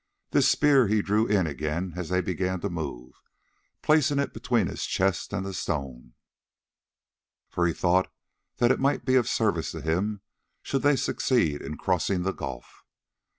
This spear he drew in again as they began to move, placing it between his chest and the stone, for he thought that it might be of service to him should they succeed in crossing the gulf.